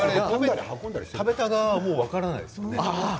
食べた側はもう分からないですよね。